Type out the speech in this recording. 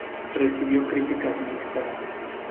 Recibió críticas mixtas.